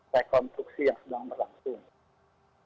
rekonstruksi yang sedang berlangsung